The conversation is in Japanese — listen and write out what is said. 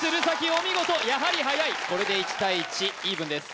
お見事やはりはやいこれで１対１イーブンです